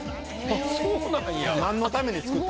あっそうなんや。